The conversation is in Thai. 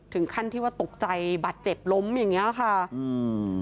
ถึงขั้นที่ว่าตกใจบาดเจ็บล้มอย่างเงี้ยค่ะอืม